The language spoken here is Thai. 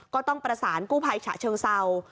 ก็ต้องประสานกู้ภัยฉะเชิงเศร้า